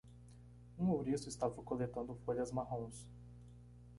Um ouriço estava coletando folhas marrons.